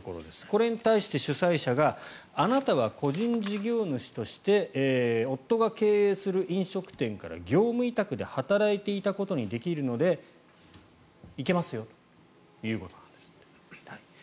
これに対して主催者があなたは個人事業主として夫が経営する飲食店から業務委託で働いていたことにできるので行けますよということでした。